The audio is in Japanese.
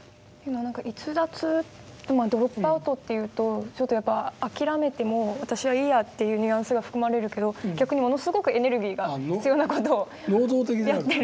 逸脱ドロップアウトというとやっぱり諦めてもう私はいいやというニュアンスが含まれるけど逆にものすごくエネルギーが必要な事をやってる。